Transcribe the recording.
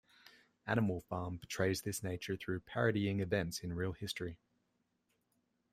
"Animal Farm" portrays this nature through parodying events in real history.